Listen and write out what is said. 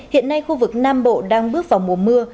hiện nay khu vực nam bộ đang bước vào mùa mưa